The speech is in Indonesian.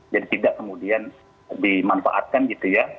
jadi tidak kemudian dimanfaatkan gitu ya